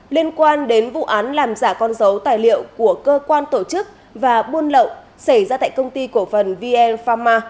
liên quan đến vụ án làm giả con dấu tài liệu của cơ quan tổ chức và buôn lậu xảy ra tại công ty cổ phần vn pharma